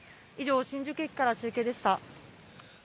以上、新宿駅から中継でした。